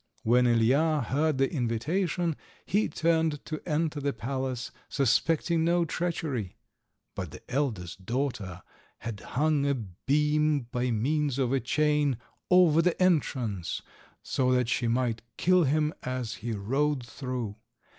When Ilija heard the invitation he turned to enter the palace, suspecting no treachery; but the eldest daughter had hung a beam, by means of a chain, over the entrance, so that she might kill him as he rode through.